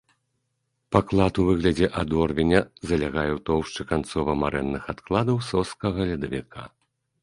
Паклад у выглядзе адорвеня залягае ў тоўшчы канцова-марэнных адкладаў сожскага ледавіка.